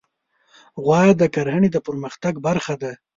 غوا د کرهڼې د پرمختګ برخه ده.